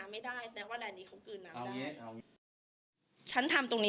พี่รวยเลย